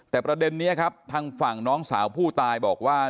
แต่ประเด็นนี้ครับทางฝั่งน้องสาวผู้ตายบอกว่า